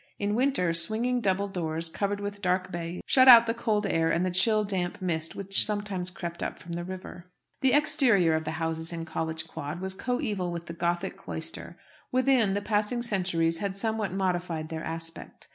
In winter, swinging double doors, covered with dark baize, shut out the cold air and the chill, damp mist which sometimes crept up from the river. The exterior of the houses in College Quad was coeval with the Gothic cloister; within, the passing centuries had somewhat modified their aspect.